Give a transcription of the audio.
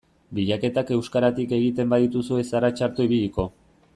Bilaketak euskaratik egiten badituzu ez zara txarto ibiliko.